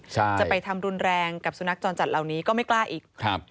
ใช่จะไปทำรุนแรงกับสุนัขจรจัดเหล่านี้ก็ไม่กล้าอีกครับ